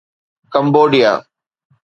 Cambodia